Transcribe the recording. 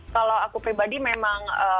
kalau aku pribadi memang